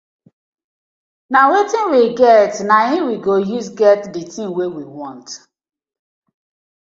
Na wetin we get naim we go use get di tin wey we want.